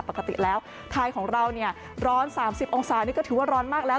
ปกติแล้วไทยของเราเนี่ยร้อน๓๐องศานี่ก็ถือว่าร้อนมากแล้ว